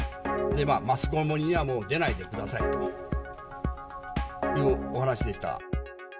マスコミにはもう出ないでくださいというお話でした。